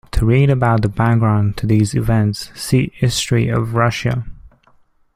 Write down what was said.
To read about the background to these events, see History of Russia.